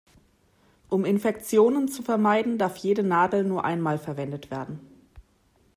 Um Infektionen zu vermeiden, darf jede Nadel nur einmal verwendet werden.